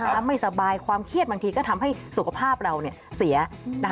ไม่สบายความเครียดบางทีก็ทำให้สุขภาพเราเสีย